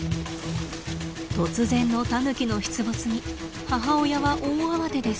突然のタヌキの出没に母親は大慌てです。